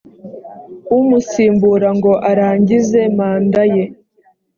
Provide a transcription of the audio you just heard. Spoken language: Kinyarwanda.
umusimbura ngo arangize manda ye